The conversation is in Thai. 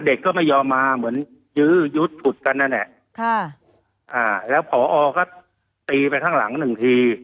เด็กก็ไม่ยอมมาเหมือนยื้อยุดฉุดกันนั่นแหละค่ะอ่าแล้วพอก็ตีไปข้างหลังหนึ่งที